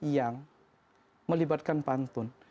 yang melibatkan pantun